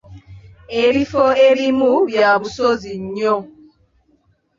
Ebifo ebimu bya busozi nnyo.